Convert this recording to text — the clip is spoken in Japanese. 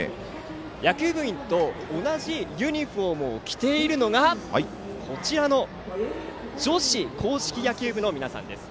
野球部員と同じユニフォームを着ているのが、女子硬式野球部の皆さんです。